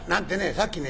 さっきね